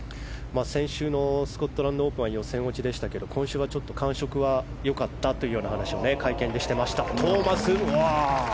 先週のスコットランドオープンは予選落ちでしたが、今週は感触は良かったというような話を会見でしていました。